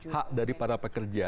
hak dari para pekerja